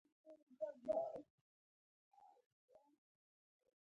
• دښمني د فاسدو زړونو نښه ده.